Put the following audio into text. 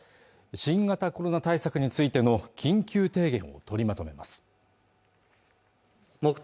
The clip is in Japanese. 新型コロナ対策についての緊急提言を取りまとめます